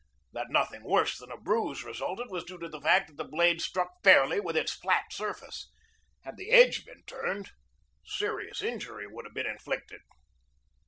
That nothing worse than a bruise resulted was due to the fact that the blade struck fairly with its flat surface. Had the edge been turned, serious injury would have been inflicted.